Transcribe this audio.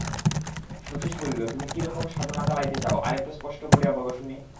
শচীশ বলিল, তুমি কী রকম সাধনা চালাইতে চাও আর-একটু স্পষ্ট করিয়া বলো শুনি।